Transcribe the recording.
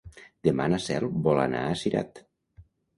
Demà na Cel vol anar a Cirat.